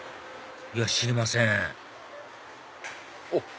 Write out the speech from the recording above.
いや知りませんおっ！